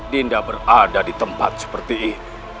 dinda berada di tempat seperti ini